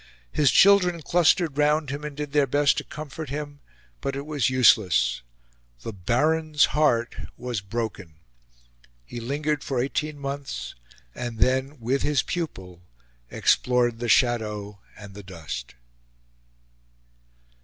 His children clustered round him and did their best to comfort him, but it was useless: the Baron's heart was broken. He lingered for eighteen months, and then, with his pupil, explored the shadow and the dust.